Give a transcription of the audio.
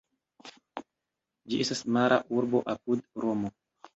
Ĝi estas mara urbo apud Romo.